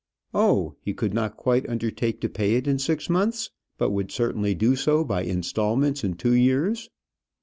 Oh! he could not quite undertake to pay it in six months, but would certainly do so by instalments in two years.